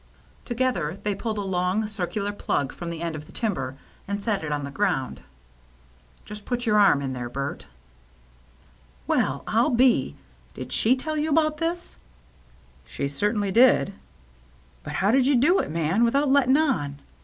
Together they pulled a long, circular plug fi om the end of the timber, and set it on the ground. " Just put your arm in there, Bert" '' Well, rU be ! Did she teU you about this?" "She certainly did." " But how did you do it, man, without let ting on